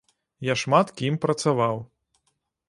Я шмат кім працаваў.